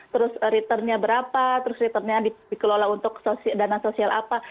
terus returnnya berapa terus returnnya dikelola untuk dana sosial apa